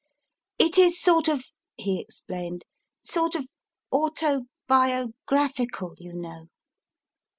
1 It is sort of, he explained, sort of auto bio graphical, you know.